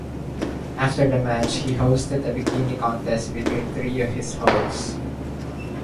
After the match, he hosted a bikini contest between three of his hoes.